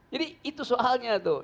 jadi itu soalnya tuh